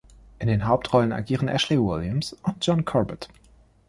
In den Hauptrollen agieren Ashley Williams und John Corbett.